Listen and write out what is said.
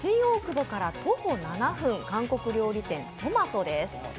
こちらは新大久保から徒歩７分韓国料理店・トマトです。